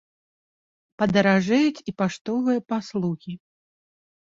Падаражэюць і паштовыя паслугі.